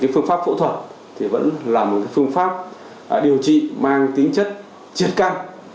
phương pháp phẫu thuật thì vẫn là một phương pháp điều trị mang tính chất triệt căng